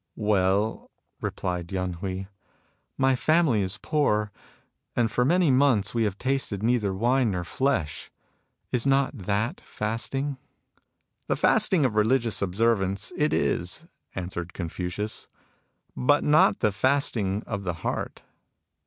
" Well," replied Yen Hui, " my family is poor, and for many months we have tasted neither wine nor flesh. Is not that fasting ?" "The fasting of religious observance it is," answered Confucius, " but not the fasting of the heart."